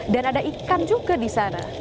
dan ada ikan juga di sana